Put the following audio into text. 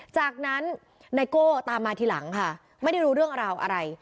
จากนั้นไนโก้ตามมาทีหลังค่ะไม่ได้รู้เรื่องราวอะไร